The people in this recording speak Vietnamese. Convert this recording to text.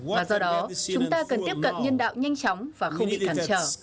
và do đó chúng ta cần tiếp cận nhân đạo nhanh chóng và không bị cản trở